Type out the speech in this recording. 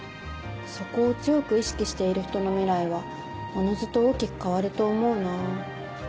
そこを強く意識している人の未来はおのずと大きく変わると思うな。